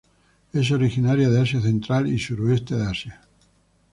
Es originaria de Asia Central y Suroeste de Asia.